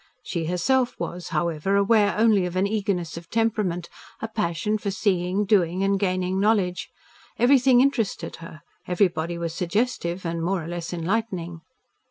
She herself was, however, aware only of an eagerness of temperament, a passion for seeing, doing, and gaining knowledge. Everything interested her, everybody was suggestive and more or less enlightening.